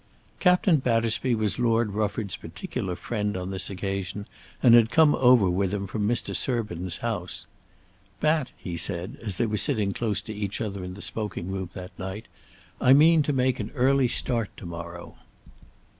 Captain Battersby was Lord Rufford's particular friend on this occasion and had come over with him from Mr. Surbiton's house. "Bat," he said as they were sitting close to each other in the smoking room that night, "I mean to make an early start to morrow."